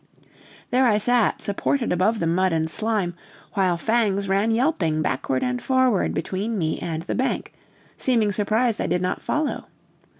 "There I sat, supported above the mud and slime, while Fangs ran yelping backward and forward between me and the bank, seeming surprised I did not follow.